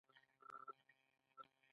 کبان په اوبو کې ژوند کوي